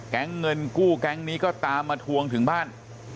เงินกู้แก๊งนี้ก็ตามมาทวงถึงบ้าน